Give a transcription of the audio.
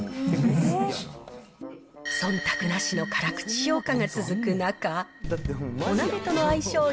そんたくなしの辛口評価が続く中、お鍋との相性